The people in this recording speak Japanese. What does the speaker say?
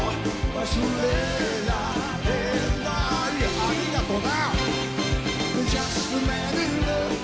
ありがとな。